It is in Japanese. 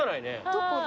どこ？